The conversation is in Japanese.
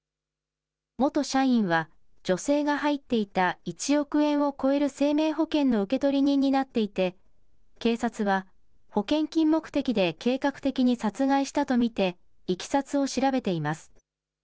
元社員は、女性が入っていた１億円を超える生命保険の受取人になっていて、警察は、保険金目的で計画的に殺害したと見て、いきさつを調べています。